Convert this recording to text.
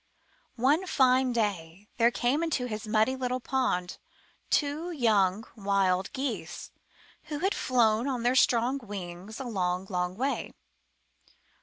One fine day there came to his muddy little pond two young wild Geese who had flown on their strong wings a long, long way.